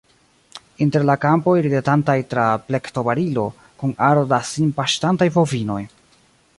Inter la kampoj, ridetantaj tra plektobarilo, kun aro da sin paŝtantaj bovinoj.